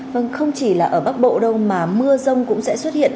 vâng không chỉ là ở bắc bộ đâu mà mưa rông cũng sẽ xuất hiện